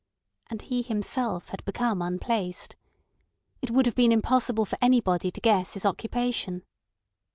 And he himself had become unplaced. It would have been impossible for anybody to guess his occupation.